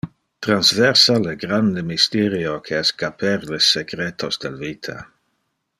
Transversa le grande mysterio que es caper le secretos del vita.